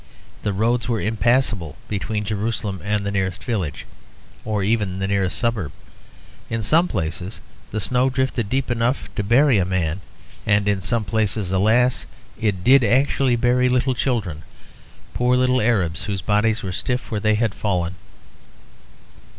The roads were impassable between Jerusalem and the nearest village, or even the nearest suburb. In some places the snow drifted deep enough to bury a man, and in some places, alas, it did actually bury little children; poor little Arabs whose bodies were stiff where they had fallen.